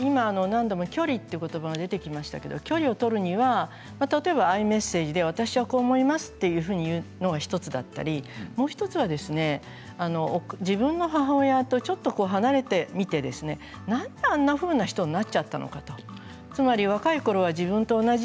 距離という言葉が出てきましたけれど距離という言葉を取るにはアイメッセージで私はこう思いますということは１つだったりもう１つは自分が母親とちょっと離れていてなんであんなふうな人になってしまったのかつまり若いころ